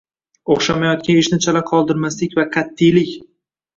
O‘xshamayotgan ishni chala qoldirmaslik va qatʼiylik